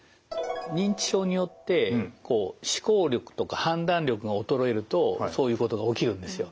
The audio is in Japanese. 認知症によって思考力とか判断力が衰えるとそういうことが起きるんですよ。